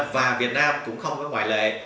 và việt nam cũng không có ngoại lệ